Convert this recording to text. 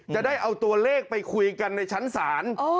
จะได้เอาตัวเลขไปคุยกันในชั้นศาล